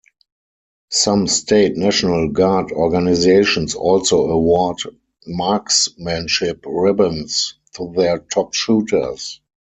Some State National Guard organizations also award marksmanship ribbons to their top shooters.